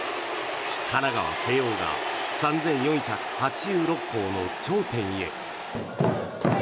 神奈川・慶応が３４８６校の頂点へ。